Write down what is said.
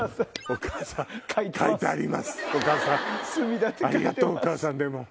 お母さんありがとうお母さんでも。